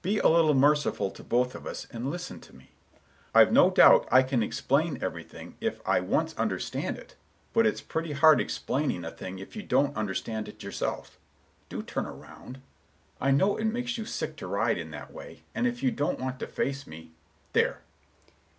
Be a little merciful to both of us, and listen to me. I've no doubt I can explain everything if I once understand it, but it's pretty hard explaining a thing if you don't understand it yourself. Do turn round. I know it makes you sick to ride in that way, and if you don't want to face me—there!"